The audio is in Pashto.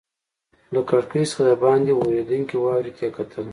له کړکۍ څخه دباندې ورېدونکې واورې ته کتل.